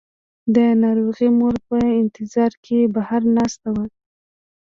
د ناروغې مور په انتظار کې بهر ناسته وه.